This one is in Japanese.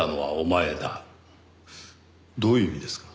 どういう意味ですか？